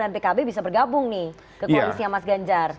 dan pkb bisa bergabung nih ke kondisi yang mas ganjar